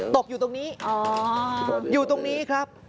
ตกอยู่ตรงนี้อยู่ตรงนี้ครับ